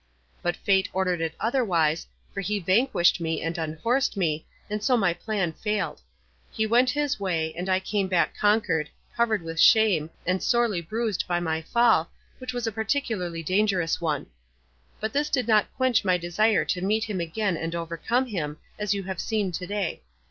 But fate ordered it otherwise, for he vanquished me and unhorsed me, and so my plan failed. He went his way, and I came back conquered, covered with shame, and sorely bruised by my fall, which was a particularly dangerous one. But this did not quench my desire to meet him again and overcome him, as you have seen to day.